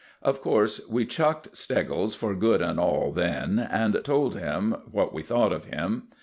Of course we chucked Steggles for good and all then, and told him what we thought of him.